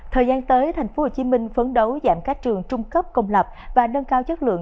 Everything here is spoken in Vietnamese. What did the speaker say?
thời gian tới tp hcm phấn đấu giảm các trường trung cấp công lập và nâng cao chất lượng